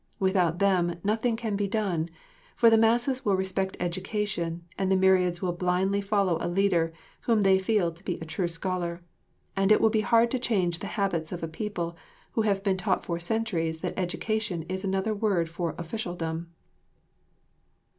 Without them, nothing can be done, for the masses will respect education and the myriads will blindly follow a leader whom they feel to be a true scholar; and it will be hard to change the habits of a people who have been taught for centuries that education is another word for officialdom.